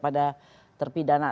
apapun yang berkaitan dengan itu